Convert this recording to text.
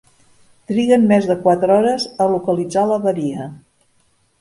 Triguen més de quatre hores a localitzar l'avaria.